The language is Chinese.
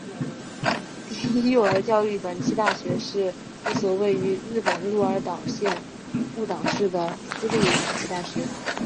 第一幼儿教育短期大学是一所位于日本鹿儿岛县雾岛市的私立短期大学。